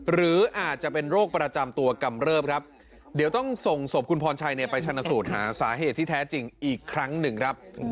หรืออาจจะเป็นโรคประจำตัวกำเริบครับเดี๋ยวต้องส่งศพคุณพรชัยไปชนะสูตรหาสาเหตุที่แท้จริงอีกครั้งหนึ่งครับ